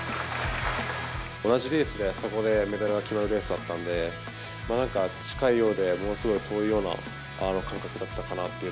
同じレースで、そこでメダルが決まるレースだったんで、なんか、近いようでものすごい遠いような感覚だったかなと。